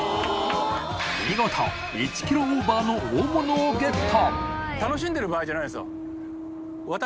禪１ｋｇオーバーの大物をゲット！